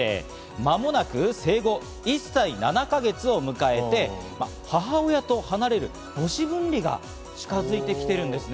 間もなく生後１歳７か月を迎えて、母親と離れる、母子分離が近づいてきているんですね。